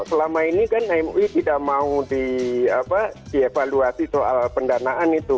selama ini kan mui tidak mau dievaluasi soal pendanaan itu